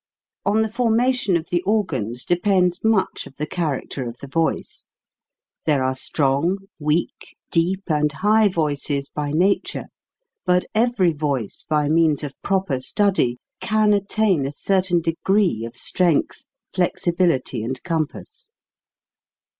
On the formation of the organs depends much of the character of the voice. There are strong, weak, deep, and high voices by nature; but every voice, by means of proper study, can attain a certain degree of strength, flexibility, and compass.